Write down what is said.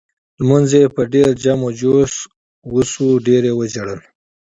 لمونځ په ډېر جم و جوش وشو ډېر یې وژړل.